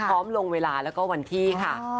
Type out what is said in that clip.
พร้อมลงเวลาแล้วก็วันที่ค่ะ